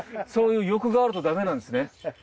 そういう欲があるとだめなんですね。